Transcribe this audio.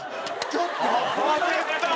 ちょっと！